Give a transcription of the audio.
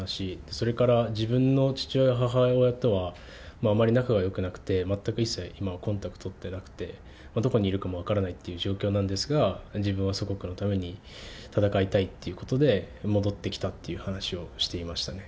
それから自分の父親、母親とはあまり仲がよくなくて、全く一切、今はコンタクト取ってなくて、どこにいるかも分からないという状況なんですが、自分は祖国のために戦いたいということで、戻ってきたっていう話をしていましたね。